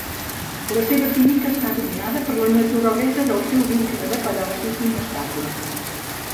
La seva química està dominada per la naturalesa del seu vincle de peròxid inestable.